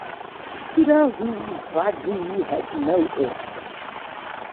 Kudahuvadhoo had no airstrip.